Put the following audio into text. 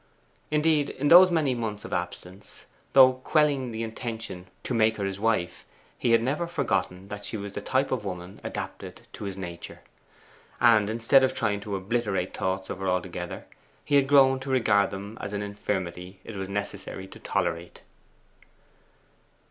Indeed, in those many months of absence, though quelling the intention to make her his wife, he had never forgotten that she was the type of woman adapted to his nature; and instead of trying to obliterate thoughts of her altogether, he had grown to regard them as an infirmity it was necessary to tolerate.